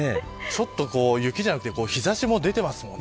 雪じゃなくて日差しも出てきますもんね。